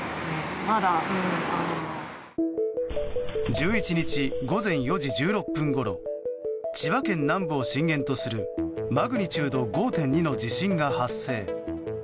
１１日、午前４時１６分ごろ千葉県南部を震源とするマグニチュード５．２の地震が発生。